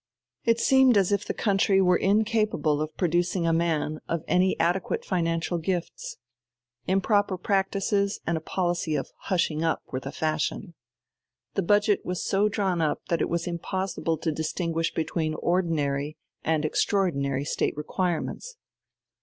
It seemed as if the country were incapable of producing a man of any adequate financial gifts. Improper practices and a policy of "hushing up" were the fashion. The budget was so drawn up that it was impossible to distinguish between ordinary and extraordinary State requirements.